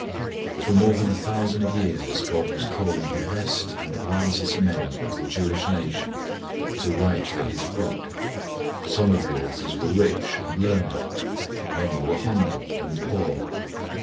For more than a thousand years God was calling the best and wisest men of the Jewish nation to write for His Book. Some of the authors were rich and learned; many were humble and poor.